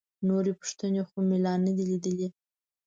نورې پوښتنې خو مې لا نه دي لیدلي.